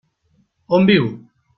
On viu?